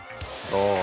どう？